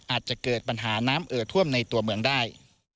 อาจจะเกิดปัญหาน้ำเอ่อท่วมในตัวเมืองได้